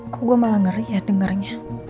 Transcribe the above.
kok gue malah ngeri ya dengarnya